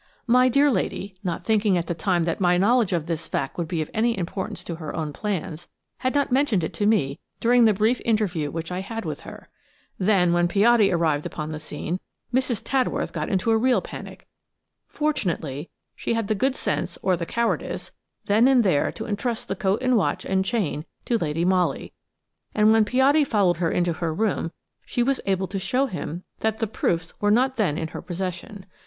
My dear lady–not thinking at the time that my knowledge of this fact would be of any importance to her own plans–had not mentioned it to me during the brief interview which I had with her. Then, when Piatti arrived upon the scene, Mrs. Tadworth got into a real panic. Fortunately, she had the good sense, or the cowardice, then and there to entrust the coat and watch and chain to Lady Molly, and when Piatti followed her into her room she was able to show him that the proofs were not then in her possession.